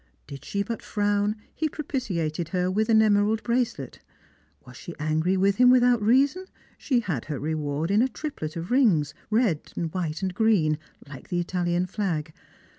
Did she but frown, he propitiated her with an emerald bracelet ; was she angry with him without reason, she had her reward in a triplet of rings, red, white, and green, like the Italian flag.